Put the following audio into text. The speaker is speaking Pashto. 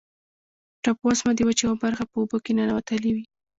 ټاپووزمه د وچې یوه برخه په اوبو کې ننوتلې وي.